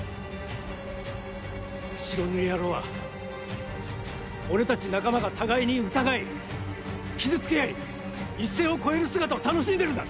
白塗り野郎は俺たち仲間が互いに疑い傷つけ合い一線を越える姿を楽しんでるんだ。